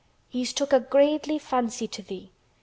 "He's took a graidely fancy to thee.